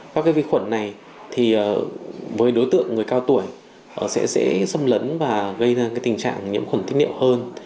các vi khuẩn này với đối tượng người cao tuổi sẽ dễ xâm lấn và gây tình trạng nhiễm khuẩn tiết niệm hơn